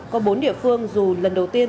có bốn địa phương dù lần đầu tiên